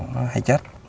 nó hay chết